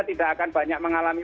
tidak akan banyak mengalami